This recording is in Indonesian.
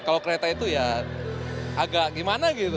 kalau kereta itu ya agak gimana gitu